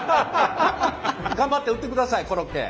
頑張って売ってくださいコロッケ。